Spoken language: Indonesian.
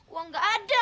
uang gak ada